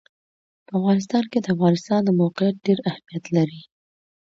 په افغانستان کې د افغانستان د موقعیت ډېر اهمیت لري.